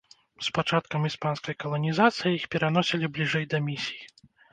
З пачаткам іспанскай каланізацыі іх пераносілі бліжэй да місій.